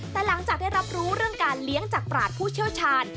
แต่หลังจากได้รับรู้เรื่องการเลี้ยงจากปราชผู้เชี่ยวชาญ